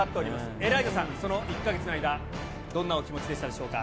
エライザさん、その１か月の間、どんなお気持ちでしたでしょうか。